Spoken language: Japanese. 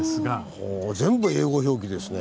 ほぉ全部英語表記ですね。